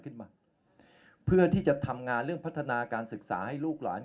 เพื่อที่จะทำงานเรื่องพัฒนาการศึกษาให้ลูกหลาน